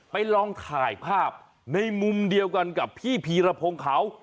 ลองถ่ายภาพในมุมเดียวกันกับพี่พีรพงศ์เขา